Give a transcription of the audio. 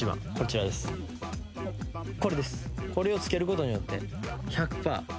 これですコレをつけることによって１００パー